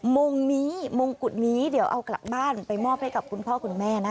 มงนี้มงกุฎนี้เดี๋ยวเอากลับบ้านไปมอบให้กับคุณพ่อคุณแม่นะคะ